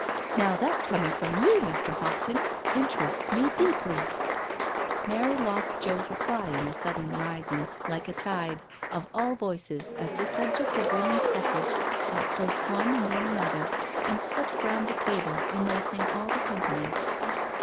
Now, that coining from you, Mr. Hopton, interests me deeply Mary lost Joe's reply in the sudden rising, like a tide, of all voices as the subject of Woman's Suffrage caught first one and then another, and swept round the table, immersing all the company.